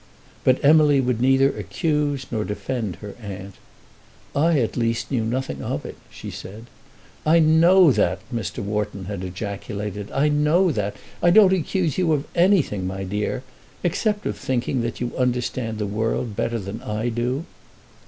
But Emily would neither accuse nor defend her aunt. "I at least knew nothing of it," she said. "I know that," Mr. Wharton had ejaculated. "I know that. I don't accuse you of anything, my dear, except of thinking that you understand the world better than I do."